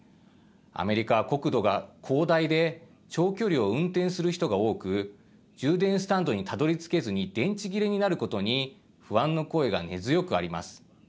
アメリカは、国土が広大で長距離を運転する人が多く充電スタンドにたどりつけずに電池切れになることに不安の声が根強くあります。